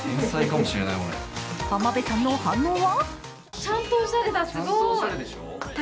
浜辺さんの反応は？